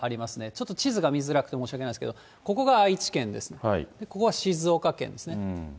ちょっと地図が見づらくて申し訳ないですけど、ここが愛知県です、ここが静岡県ですね。